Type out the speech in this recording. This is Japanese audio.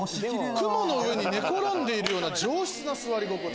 雲の上に寝転んでいるような上質な座り心地。